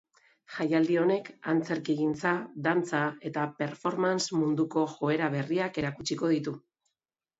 Jaialdi honek antzerkigintza, dantza eta performance munduko joera berriak erakutsiko ditu.